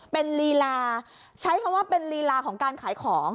เป็นลีลาใช้คำว่าเป็นลีลาของการขายของ